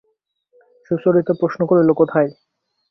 সুচরিতা প্রশ্ন করিল, কোথায়?